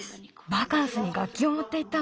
バカンスにがっきをもっていったの？